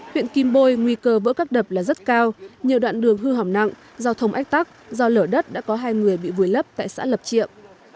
huyện kim bôi nguy cơ vỡ các đập là rất cao nhiều đoạn đường hư hỏng nặng giao thông ách tắc do lở đất đã có hai người bị vùi lấp tại xã lập triệu